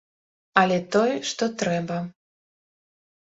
Але той, што трэба!